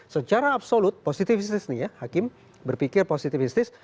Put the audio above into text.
secara absolut positivistis nih ya hakim berpikir positivistis